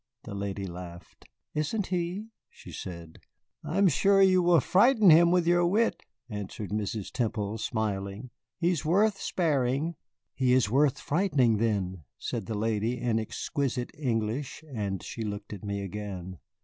The lady laughed. "Isn't he?" she said. "I am sure you will frighten him with your wit," answered Mrs. Temple, smiling. "He is worth sparing." "He is worth frightening, then," said the lady, in exquisite English, and she looked at me again.